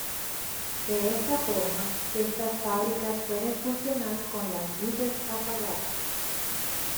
De esta forma estas fábricas pueden funcionar con las "luces apagadas".